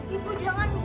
ibu jangan bu